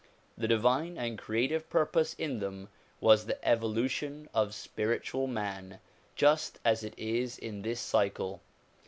The divine and creative purpose in them was the evolution of spiritual man, just as it is in this cycle.